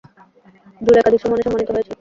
Joule একাধিক সম্মানে সম্মানিত হয়েছেন।